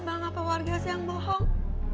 sebenarnya apa warganya las yang bohong